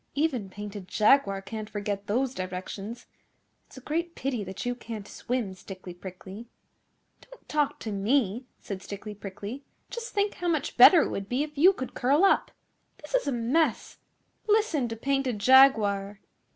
'Even Painted Jaguar can't forget those directions. It's a great pity that you can't swim, Stickly Prickly.' 'Don't talk to me,' said Stickly Prickly. 'Just think how much better it would be if you could curl up. This is a mess! Listen to Painted Jaguar.